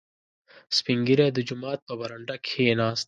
• سپین ږیری د جومات په برنډه کښېناست.